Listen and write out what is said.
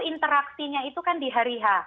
interaksinya itu kan di hari h